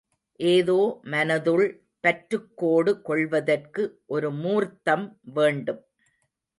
ஏதோ மனதுள் பற்றுக் கோடு கொள்வதற்கு ஒரு மூர்த்தம் வேண்டும்.